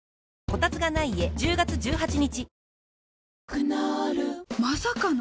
クノールまさかの！？